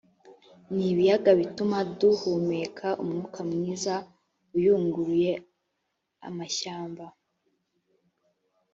n ibiyaga bituma duhumeka umwuka mwiza uyunguruye amashyamba